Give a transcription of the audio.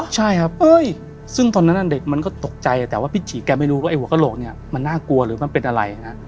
ใช่ครับซึ่งตอนนั้นเด็กมันก็ตกใจแต่ว่าพี่ฉี่แกไม่รู้ว่าไอ้หัวกระโหลกเนี่ยมันน่ากลัวหรือมันเป็นอะไรฮะ